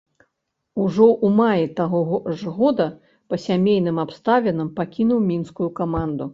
Ужо ў маі таго ж года па сямейным абставінам пакінуў мінскую каманду.